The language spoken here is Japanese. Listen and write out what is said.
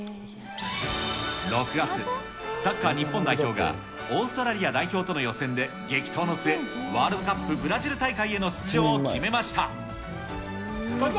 ６月、サッカー日本代表が、オーストラリア代表との予選で激闘の末、ワールドカップブラジル万歳！